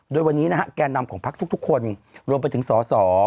โดยวันนี้นะฮะแก่นำของพักทุกคนรวมไปถึงสอสอ